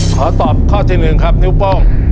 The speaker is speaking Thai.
ขอตอบข้อที่๑ครับนิ้วโป้ง